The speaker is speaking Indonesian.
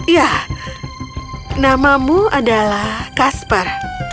ya namamu adalah kaspar